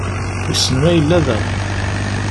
Wissen ma yella da?